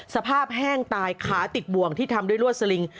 สภาพแห้งตายขาติดบ่วงที่ทำด้วยลวดสลิง